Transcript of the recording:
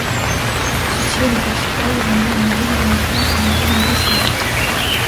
Ce stylo de petite taille est vendu en milliers d’exemplaires pendant plus d’une décennie.